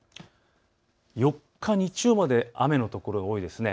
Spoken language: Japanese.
４日、日曜日まで雨の所が多いです。